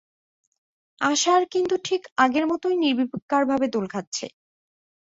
আশার কিন্তু ঠিক আগের মতোই নির্বিকারভাবে দোল খাচ্ছে।